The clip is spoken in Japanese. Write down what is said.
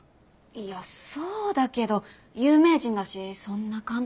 いやそうだけど有名人だしそんな簡単には。